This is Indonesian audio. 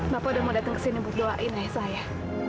bapak sudah mau datang ke sini untuk doain ya saya